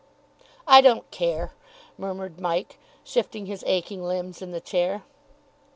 "I don't care," murmured Mike, shifting his aching limbs in the chair.